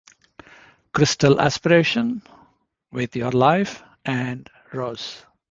"Crystal Aspiration" "With Your Life" and "Rose".